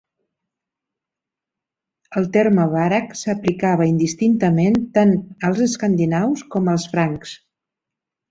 El terme vareg s’aplicava indistintament tant als escandinaus com als francs.